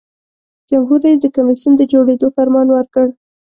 جمهور رئیس د کمیسیون د جوړیدو فرمان ورکړ.